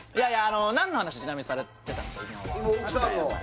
何の話ちなみにされてたんですか？